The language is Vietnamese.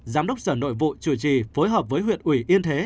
giám đốc sở nội vụ chủ trì phối hợp với huyện ủy yên thế